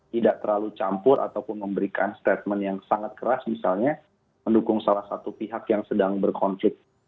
tidak terlalu campur ataupun memberikan statement yang sangat keras misalnya mendukung salah satu pihak yang sedang berkonflik